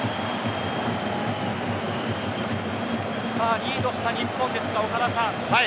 リードした日本ですが岡田さん